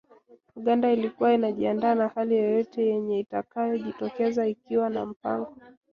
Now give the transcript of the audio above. Uganda ilikuwa inajiandaa na hali yoyote yenye itakayojitokeza ikiwa na mpango.